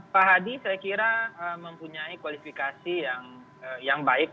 pak hadi saya kira mempunyai kualifikasi yang baik